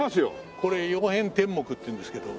これ「曜変天目」っていうんですけど。